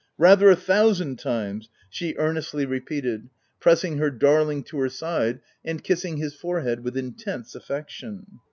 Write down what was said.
'—rather a thousand times VI she earnestly repeated, pressing her darling to her side and kissing his forehead with intense affection.